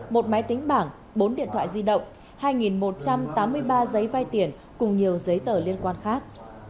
một máy tính bảng bốn điện thoại di động hai một trăm tám mươi ba giấy vai tiền cùng nhiều giấy tờ liên quan khác